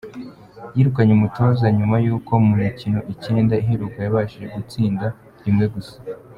Yirukanye umutoza nyuma y’uko mu mikino icyenda iheruka yabashije gutsinda rimwe gusa.